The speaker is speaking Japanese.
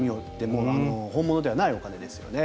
本物ではないお金ですよね。